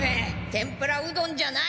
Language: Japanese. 天ぷらうどんじゃない！